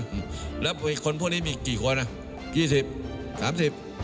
ทำไมถ้าวันนี้เราก็ไม่ยอมพลับ